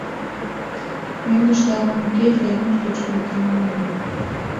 Мӧҥгыштӧ авам уке — фермыж гыч пӧртылын огыл.